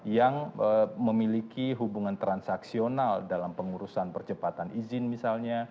yang memiliki hubungan transaksional dalam pengurusan percepatan izin misalnya